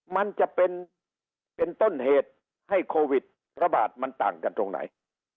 มันจะเป็นต้นเหตุให้โควิดระบาดมันต่างกันตรงไหน